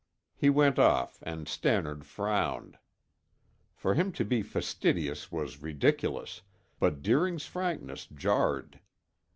He went off and Stannard frowned. For him to be fastidious was ridiculous, but Deering's frankness jarred.